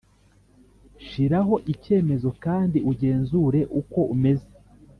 shiraho icyemezo kandi ugenzure uko umeze;